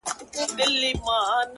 مورې بيا نو ولې ته! ماته توروې سترگي!